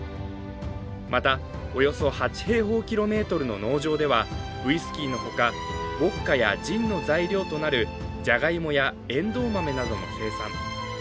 またおよそ８平方キロメートルの農場ではウイスキーのほか、ウオッカやジンの材料となるじゃがいもやえんどう豆なども生産。